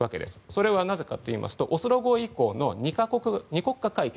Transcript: それはなぜかといいますとオスロ合意以降の２国家解決。